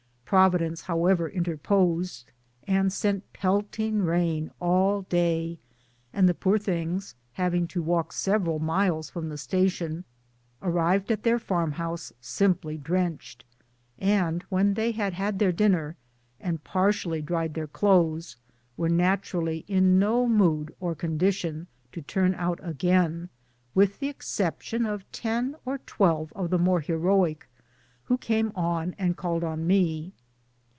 Providence however interposed and sent petting rain all day, and the poor things having to walk several miles from the station arrived at their farmhouse simply drenched; and when they had had their dinner, and partially dried their clothes, were naturally in no mood or condition to turn out again with the exception of ten or twelve of the more heroic, who came on and called on me.